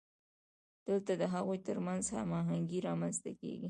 دلته د هغوی ترمنځ هماهنګي رامنځته کیږي.